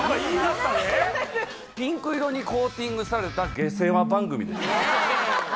ピンク色にコーティングされた下世話番組です。